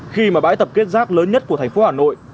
khi mà bãi tập kết rác lớn nhất của thành phố hà nội